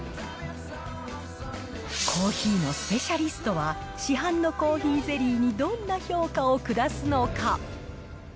コーヒーのスペシャリストは、市販のコーヒーゼリーにどんな評価を下すのか。